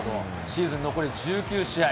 シーズン残り１９試合。